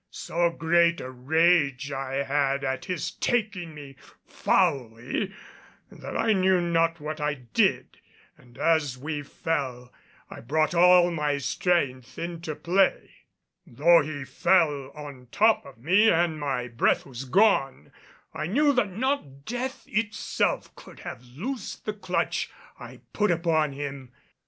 So great a rage I had at his taking me foully that I knew not what I did and as we fell I brought all my strength into play. Though he fell on top of me and my breath was gone, I knew that not death itself could have loosed the clutch I put upon him.